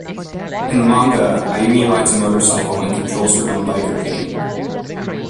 In the manga, Ayumi rides a motorcycle and controls her own biker gang.